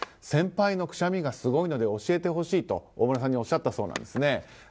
先輩のくしゃみがすごいので教えてほしいと大村さんにおっしゃったそうです。